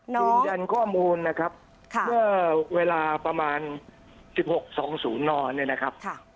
ยืนยันข้อมูลนะครับเมื่อเวลาประมาณสี่บอส๑๖๒๐นนี่นะคะ